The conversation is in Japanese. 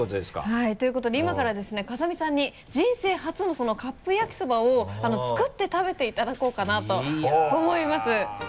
はいということで今からですね風見さんに人生初のカップ焼きそばを作って食べていただこうかなと思います。